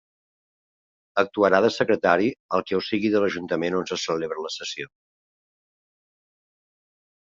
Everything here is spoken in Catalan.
Actuarà de secretari el que ho siga de l'ajuntament on se celebra la sessió.